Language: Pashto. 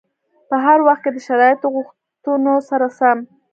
په هر وخت کې د شرایطو غوښتنو سره سم.